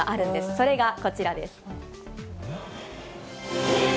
それがこちらです。